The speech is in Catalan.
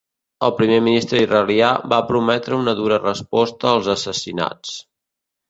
El primer ministre israelià va prometre una dura resposta als assassinats.